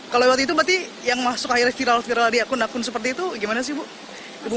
kalau lewat itu berarti yang masuk akhirnya viral viral di akun akun seperti itu gimana sih bu